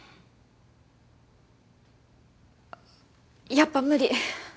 やっぱ無理。